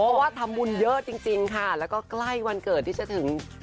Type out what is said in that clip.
เพราะว่าทำบุญเยอะจริงค่ะแล้วก็ใกล้วันเกิดที่จะถึง